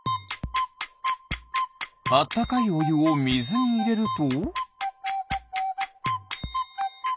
あったかいおゆをみずにいれると。